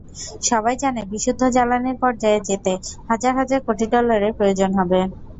সবাই জানে, বিশুদ্ধ জ্বালানির পর্যায়ে যেতে হাজার হাজার কোটি ডলারের প্রয়োজন হবে।